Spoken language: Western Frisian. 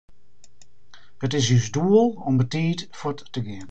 It is ús doel om betiid fuort te gean.